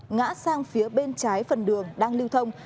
ngã sang phía bên trái phần đường đang lưu thông